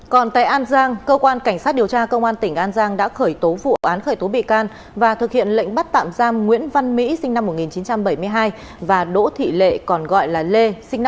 còn tại an giang cơ quan cảnh sát điều tra cơ quan tỉnh an giang đã khởi tố vụ án khởi tố bị can và thực hiện lệnh bắt tạm giam nguyễn văn mỹ sinh năm một nghìn chín trăm bảy mươi hai và đỗ thị lệ còn gọi là lê